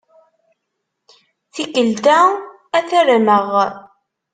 Tikkelt-a, ad t-armeɣ.